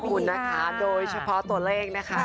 ขอบคุณนะคะโดยเฉพาะตัวเลขนะคะ